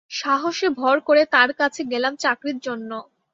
সাহসে ভর করে তাঁর কাছে গেলাম চাকরির জন্য।